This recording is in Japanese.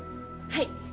はい。